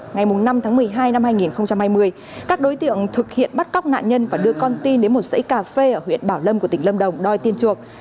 ngày năm tháng một mươi hai năm hai nghìn hai mươi các đối tượng thực hiện bắt cóc nạn nhân và đưa con tin đến một dãy cà phê ở huyện bảo lâm của tỉnh lâm đồng đòi tiền chuộc